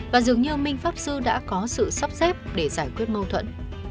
và dường như minh pháp sư đã có sự sắp xếp để giải quyết mâu thuẫn